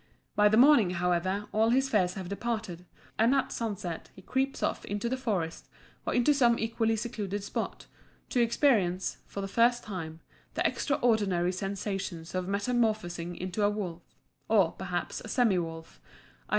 By the morning, however, all his fears have departed; and at sunset he creeps off into the forest, or into some equally secluded spot, to experience, for the first time, the extraordinary sensations of metamorphosing into a wolf, or, perhaps, a semi wolf, _i.